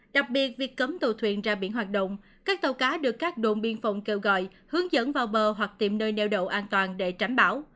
đặc biệt việc cấm tàu thuyền ra biển hoạt động các tàu cá được các đồn biên phòng kêu gọi hướng dẫn vào bờ hoặc tìm nơi neo đậu an toàn để tránh bão